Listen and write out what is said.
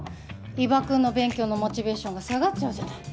伊庭くんの勉強のモチベーションが下がっちゃうじゃない。